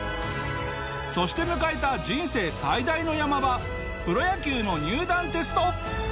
そして迎えた人生最大の山場プロ野球の入団テスト。